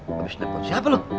lo kayak abis nelfon siapa lu